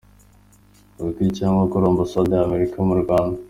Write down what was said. org cyangwa kuri Ambasade y’Amerika mu Rwanda.